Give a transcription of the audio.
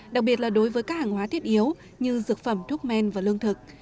đặc biệt là đối với các hàng hóa thiết yếu như dược phẩm thuốc men và lương thực